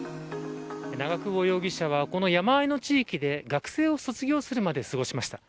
長久保容疑者はこの山あいの地域で学生を卒業するまで過ごしました。